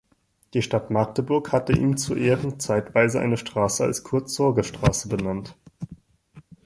Die Stadt Magdeburg hatte ihm zu Ehren zeitweise eine Straße als Kurt-Sorge-Straße benannt.